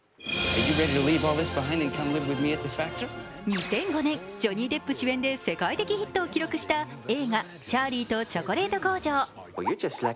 ２００５年、ジョニー・デップ主演で世界的ヒットを記録した映画「チャーリーとチョコレート工場」。